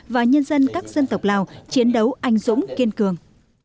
và nhân dân các dân tộc lào chiến đấu anh dũng kiên cường